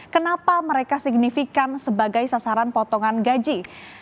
kenapa mereka signifikan sebagai sasaran potongan gaji